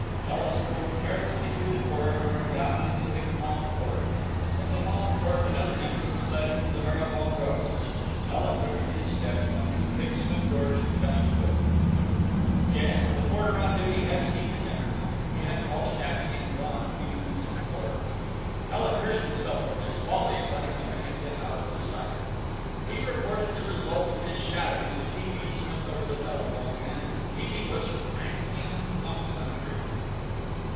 Ela strolled carelessly through the corridor, and down into the big palm court. From the palm court another entrance led into the Marylebone Road. Ela quickened his steps, went through the big swing doors to the vestibule. Yes, the porter on duty had seen the gentleman; he had called a taxi and gone a few minutes before. Ela cursed himself for his folly in letting the man out of his sight. He reported the result of his shadowing to T. B. Smith over the telephone, and T. B. was frankly uncomplimentary.